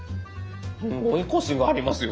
すごいコシがありますよ！